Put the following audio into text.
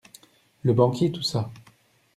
Le banquier toussa.